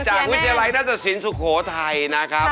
วิทยาลัยนัตตสินสุโขทัยนะครับ